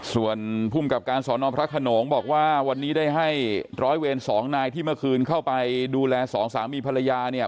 ส่วนภูมิกับการสอนอพระขนงบอกว่าวันนี้ได้ให้ร้อยเวรสองนายที่เมื่อคืนเข้าไปดูแลสองสามีภรรยาเนี่ย